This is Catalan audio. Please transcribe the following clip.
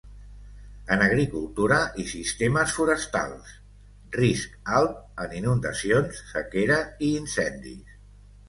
En agricultura i sistemes forestals, risc alt en inundacions, sequera i incendis.